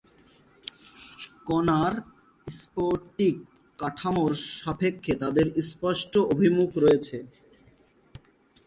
কণার স্ফটিক কাঠামোর সাপেক্ষে তাদের স্পষ্ট অভিমুখ রয়েছে।